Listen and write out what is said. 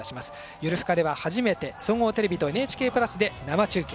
「ゆるふか」では初めて総合テレビとＮＨＫプラスで生中継。